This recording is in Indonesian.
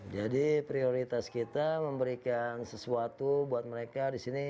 jadi prioritas kita memberikan sesuatu buat mereka di sini